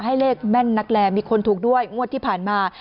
ให้เลขแม่นนักแลมีคนถูกด้วยงวดที่ผ่านมา